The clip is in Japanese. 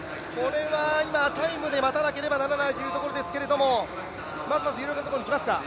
タイムで待たなければならないというところですけれども、まずまず有力なところにきますか？